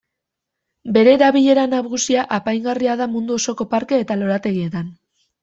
Bere erabilera nagusia apaingarria da mundu osoko parke eta lorategietan.